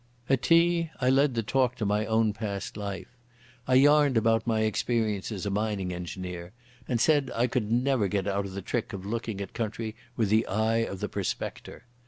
_ At tea I led the talk to my own past life. I yarned about my experiences as a mining engineer, and said I could never get out of the trick of looking at country with the eye of the prospector.